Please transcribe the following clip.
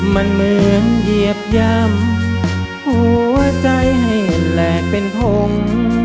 มันเหมือนเหยียบย่ำหัวใจให้แหลกเป็นผม